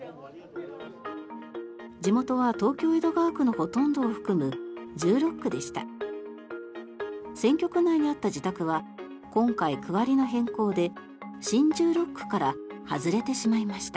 地元は東京・江戸川区のほとんどを含む１６区でした。